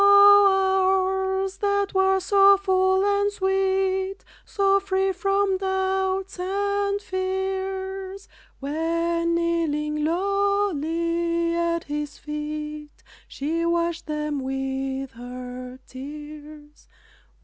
O, hours that were so full and sweet! So free from doubts and fears! When kneeling lowly at His feet She washed them with her tears!